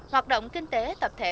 hoạt động kinh tế tập thể